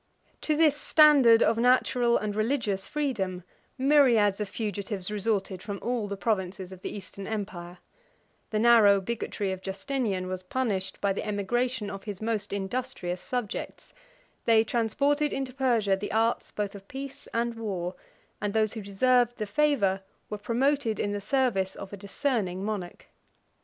To this standard of natural and religious freedom, myriads of fugitives resorted from all the provinces of the Eastern empire; the narrow bigotry of Justinian was punished by the emigration of his most industrious subjects; they transported into Persia the arts both of peace and war: and those who deserved the favor, were promoted in the service, of a discerning monarch.